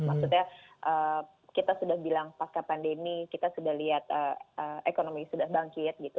maksudnya kita sudah bilang pasca pandemi kita sudah lihat ekonomi sudah bangkit gitu